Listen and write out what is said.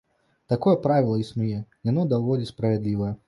Такое правіла існуе, яно даволі справядлівае.